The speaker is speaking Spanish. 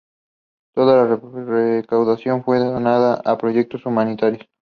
Toda la recaudación fue donada a proyectos humanitarios.